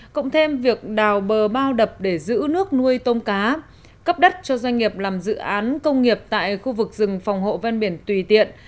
cộng thêm việc đào bờ bao đập để giữ nước nuôi tôm cá cấp đất cho doanh nghiệp làm dự án công nghiệp tại khu vực rừng phòng hộ ven biển tùy tiện